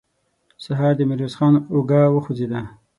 سهار د ميرويس خان اوږه وخوځېده.